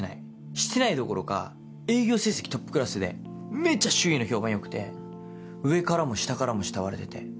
してないどころか営業成績トップクラスでめちゃ周囲の評判良くて上からも下からも慕われてて。